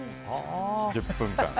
１０分間。